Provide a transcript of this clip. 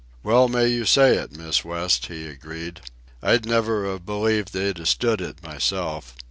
"Well may you say it, Miss West," he agreed. "I'd never a believed they'd a stood it myself.